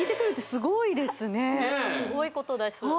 すごいことです